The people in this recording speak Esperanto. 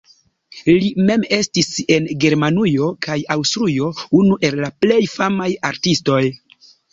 Li mem estis en Germanujo kaj Aŭstrujo unu el la plej famaj artistoj.